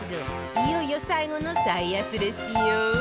いよいよ最後の最安レシピよ